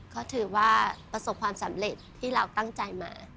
ก็ถือว่าประสบความสำเร็จที่เราตั้งใจมา